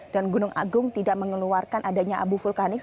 dan gunung agung tidak mengeluarkan adanya abu vulkanik